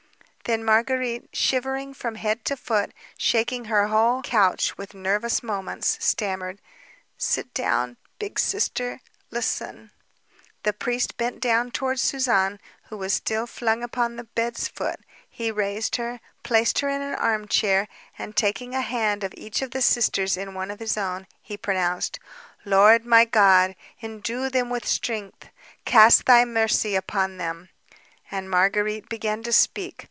Then Marguérite, shivering from head to foot, shaking her whole couch with nervous movements, stammered: "Sit down, Big Sister ... listen." The priest bent down toward Suzanne, who was still flung upon the bed's foot. He raised her, placed her in an armchair, and taking a hand of each of the sisters in one of his own, he pronounced: "Lord, my God! Endue them with strength, cast Thy mercy upon them." And Marguérite began to speak.